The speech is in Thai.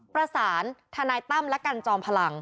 ประสานทนายตั้มและการจอมพลัง